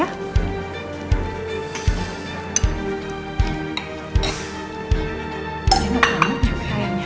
ya enak banget ya pikirannya